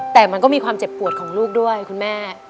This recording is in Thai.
แต่มันก็มีความเจ็บปวดของลูกด้วยคุณแม่